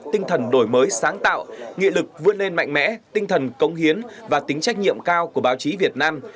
tinh thần đổi mới sáng tạo nghị lực vươn lên mạnh mẽ tinh thần công hiến và tính trách nhiệm cao của báo chí việt nam